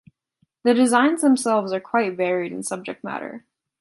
The designs themselves are quite varied in subject matter.